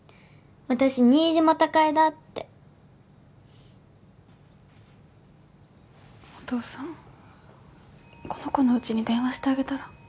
私新島貴恵だってお父さんこの子のうちに電話してあげたら？